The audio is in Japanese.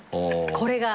これが。